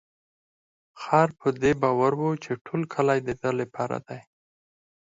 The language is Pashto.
خر په دې باور و چې ټول کلي د ده لپاره دی.